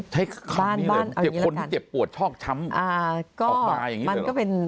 ใช้คำนี้เลยเจ็บคนที่เจ็บปวดชอกช้ำออกมาอย่างนี้เลยหรอ